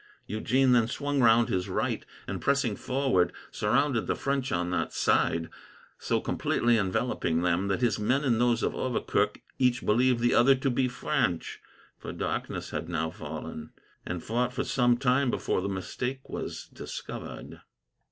Eugene then swung round his right, and, pressing forward, surrounded the French on that side, so completely enveloping them that his men and those of Overkirk each believed the other to be French for darkness had now fallen and fought for some time before the mistake was discovered.